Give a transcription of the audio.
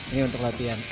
ini untuk yang terbaik